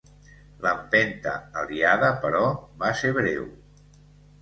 L'empenta aliada, però, va ser breu.